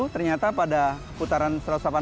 ternyata pada putaran satu ratus delapan puluh